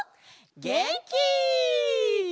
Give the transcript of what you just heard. げんき！